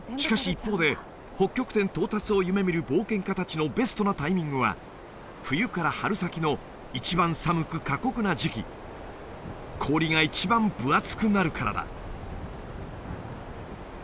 一方で北極点到達を夢みる冒険家達のベストなタイミングは冬から春先の一番寒く過酷な時期氷が一番分厚くなるからだ